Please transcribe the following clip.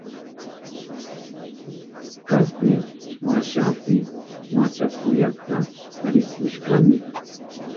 Kaspi washapi machakuyata rikushkani.